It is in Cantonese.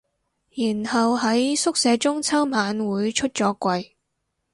然後喺宿舍中秋晚會出咗櫃